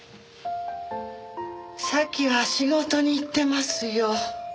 沙希は仕事に行ってますよ。